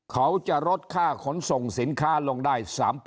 เขาจะลดค่าขนส่งสินค้าลงได้๓